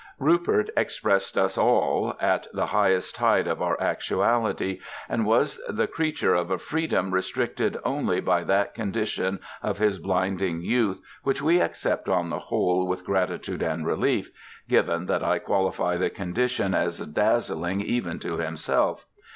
Rupert expressed us all, at the highest tide of our actuality, and was the creature of a freedom restricted only by that condition of his blinding youth, which we accept on the whole with gratitude and relief given that I qualify the condition as dazzling even to himself.